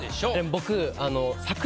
僕。